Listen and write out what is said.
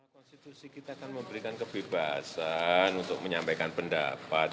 konstitusi kita kan memberikan kebebasan untuk menyampaikan pendapat